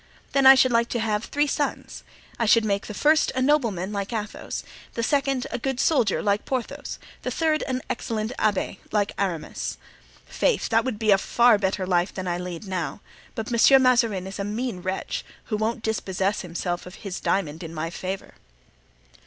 Then I should like to have three sons; I should make the first a nobleman, like Athos; the second a good soldier, like Porthos; the third an excellent abbé, like Aramis. Faith! that would be a far better life than I lead now; but Monsieur Mazarin is a mean wretch, who won't dispossess himself of his diamond in my favor."